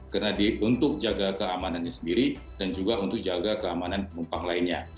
karena untuk jaga keamanannya sendiri dan juga untuk jaga keamanan mumpang lainnya